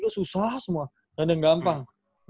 susah semua dan gampang